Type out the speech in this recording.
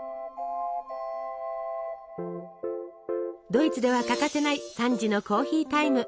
ドイツでは欠かせない３時のコーヒータイム。